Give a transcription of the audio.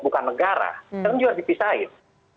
bukan negara yang juga dipisahin